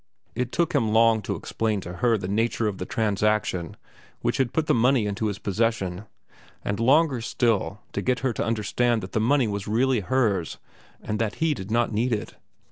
It took him long to explain to her the nature of the transaction which had put the money into his possession, and longer still to get her to understand that the money was really hers and that he did not need it.